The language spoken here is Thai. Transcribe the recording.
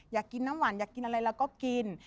อยากกินน้ำหวานอยากกินอะไรเราก็กิน